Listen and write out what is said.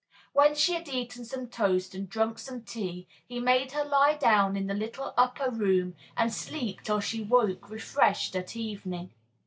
When she had eaten some toast and drunk some tea he made her lie down in the little upper room and sleep till she woke refreshed at evening.